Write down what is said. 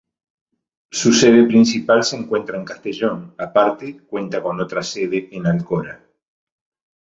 Su sede principal se encuentra en Castellón; aparte, cuenta con otra sede en Alcora.